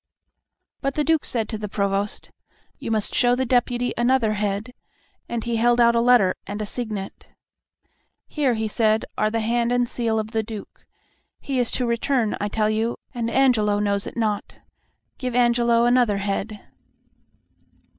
But the Duke said to the Provost, "You must show the Deputy another head," and he held out a letter and a signet. "Here," he said, "are the hand and seal of the Duke. He is to return, I tell you, and Angelo knows it not. Give Angelo another head."